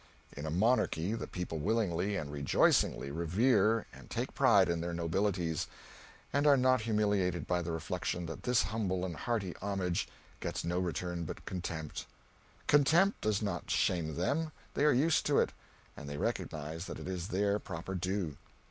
In a monarchy the people willingly and rejoicingly revere and take pride in their nobilities, and are not humiliated by the reflection that this humble and hearty homage gets no return but contempt. Contempt does not shame them, they are used to it, and they recognize that it is their proper due.